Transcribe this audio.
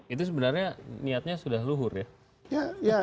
itu sebenarnya niatnya sudah luhur ya